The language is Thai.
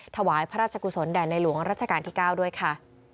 ถวายพระราชกุศลแด่ในหลวงรัชกาลที่๙ด้วยค่ะ